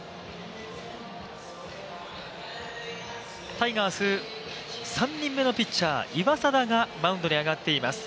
タイガース３人目のピッチャー岩貞がマウンドに上がっています。